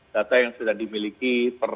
data yang sudah dimiliki